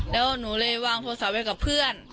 แล้วหนูเลยวางโทรศัพท์ไว้กับเพื่อน